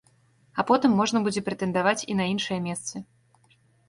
А потым можна будзе прэтэндаваць і на іншыя месцы.